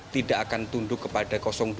tidak akan tunduk kepada dua